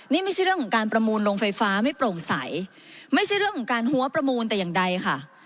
นี่ไม่ใช่เรื่องของการประมูลโรงไฟฟ้าไม่โปร่งใสไม่ใช่เรื่องของการหัวประมูลแต่อย่างใดค่ะ